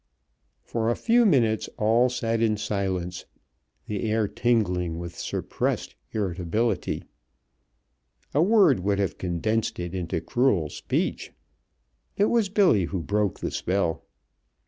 For a few minutes all sat in silence, the air tingling with suppressed irritability. A word would have condensed it into cruel speech. It was Billy who broke the spell.